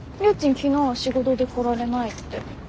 昨日は仕事で来られないって。